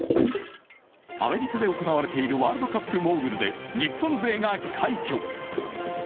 アメリカで行われているワールドカップ・モーグルで日本勢が快挙。